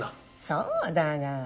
そうだが。